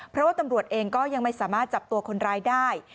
เพราะว่าตำรวจเองก็ยังไม่สามารถจับตัวคนร้ายได้